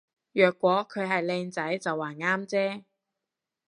若果佢係靚仔就話啱啫